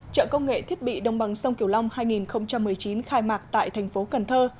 trợ công nghệ thiết bị đồng bằng sông kiểu long hai nghìn một mươi chín khai mạc tại thành phố cần thơ